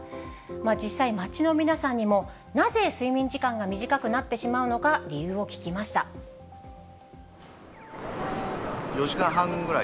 実際、街の皆さんにもなぜ睡眠時間が短くなってしまうのか、理由を聞き４時間半ぐらい。